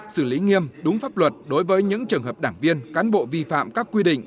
xử lý nghiêm đúng pháp luật đối với những trường hợp đảng viên cán bộ vi phạm các quy định